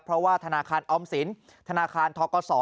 เพราะว่าธนาคารออมสินธนาคารทกศ